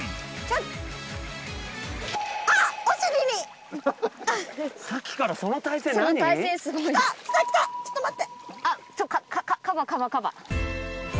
ちょっと待って。